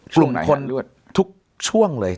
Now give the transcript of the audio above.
กลุ่มคนทุกช่วงเลย